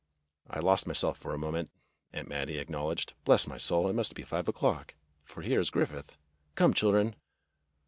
"I lost myself for a moment," Aunt Mattie ac knowledged. "Bless my soul, it must be five o'clock, for here is Griffith. Come, children!"